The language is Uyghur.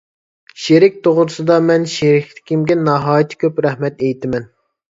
شېرىك توغرىسىدا مەن شېرىكلىرىمگە ناھايىتى كۆپ رەھمەت ئېيتىمەن.